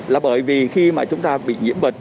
là bởi vì khi mà chúng ta bị nhiễm bệnh